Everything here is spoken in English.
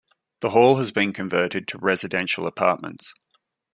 The hall has been converted to residential apartments.